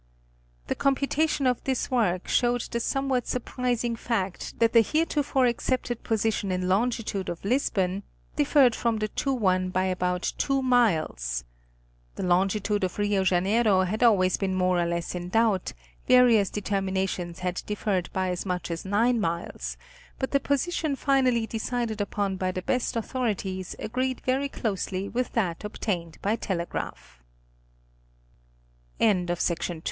The computation of this work, showed the somewhat surprising fact that the heretofore accepted position in longitude of Lisbon, differed from the true one by about two miles. The longitude of Rio Janeiro had always been more or less in doubt, various deter minations had differed by as much as nine miles, but the position finally decided upon by the best authorities agreed very closely with that obtained b